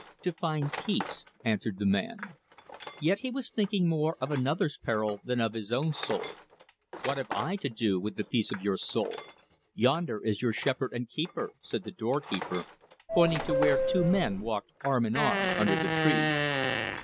"To find peace," answered the man; yet he was thinking more of another's peril than of his own soul. "What have I to do with the peace of your soul? Yonder is your shepherd and keeper," said the doorkeeper, pointing to where two men walked arm in arm under the trees.